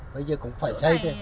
bây giờ cũng phải xây